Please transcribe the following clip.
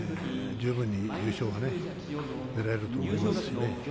十分に優勝がねねらえると思いますしね。